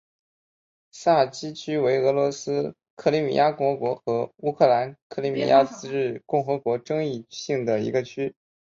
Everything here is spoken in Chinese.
萨基区为俄罗斯克里米亚共和国与乌克兰克里米亚自治共和国争议性的一个区。